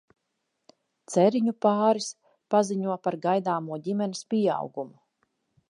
Ceriņu pāris paziņo par gaidāmo ģimenes pieaugumu.